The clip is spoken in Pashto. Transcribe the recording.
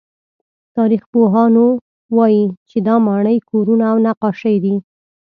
تاریخپوهان وایي چې دا ماڼۍ، کورونه او نقاشۍ دي.